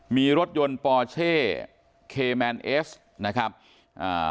มีรถยนต์ปอเช่เคแมนเอสนะครับอ่า